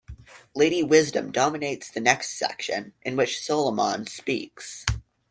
Lady Wisdom dominates the next section, in which Solomon speaks.